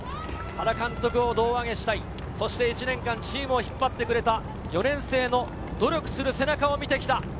原監督を胴上げしたい、１年間チームを引っ張ってくれた４年生の努力する背中を見てきた。